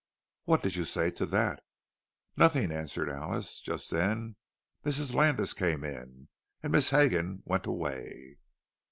'" "What did you say to that?" "Nothing," answered Alice. "Just then Mrs. Landis came in, and Miss Hegan went away."